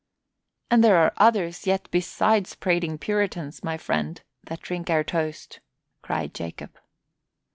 "And there are others yet besides prating Puritans, mine friend, that drink our toast!" cried Jacob.